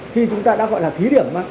khi chúng ta đã gọi là thí điểm mà